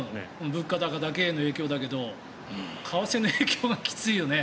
物価だけの影響だけど為替の影響はきついよね。